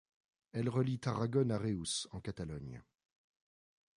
Elle relie Tarragone à Reus en Catalogne.